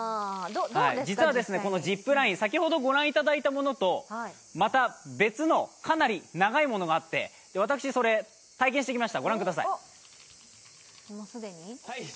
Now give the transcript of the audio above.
実はジップライン、先ほどご覧いいただいたものとまた別のかなり長いものがあって、私それを体験してきました。